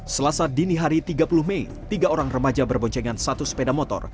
selasa dini hari tiga puluh mei tiga orang remaja berboncengan satu sepeda motor